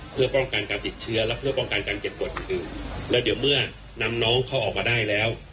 เพื่อป้องกันการติดเชื้อและเพื่อป้องกันการเจ็บปวดอื่นอื่นแล้วเดี๋ยวเมื่อนำน้องเขาออกมาได้แล้ว